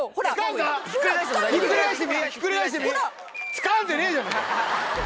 つかんでねえじゃねぇか！